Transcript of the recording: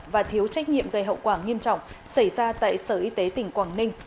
và thiếu trách nhiệm gây hậu quả nghiêm trọng xảy ra tại sở y tế tỉnh quảng ninh